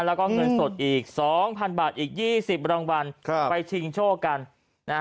แล้วก็เงินสดอีก๒๐๐๐บาทอีก๒๐รางวัลไปชิงโชคกัน